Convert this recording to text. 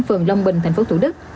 phường long bình tp thủ đức